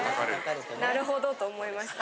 なるほどと思いました。